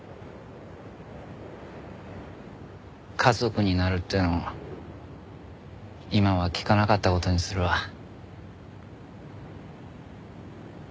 家族になるってのも今は聞かなかった事にするわ。